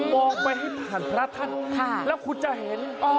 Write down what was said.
มองไปให้ผ่านพระท่านแล้วคุณจะเห็น